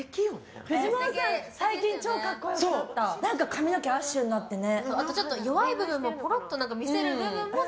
髪の毛アッシュになってね。